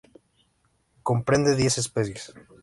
Comprende diez especies.